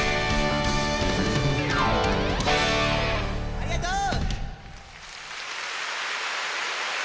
ありがとう！